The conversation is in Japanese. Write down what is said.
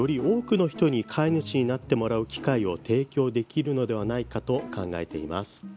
多くの人に飼い主になってもらう機会を提供できるのではないかと考えています。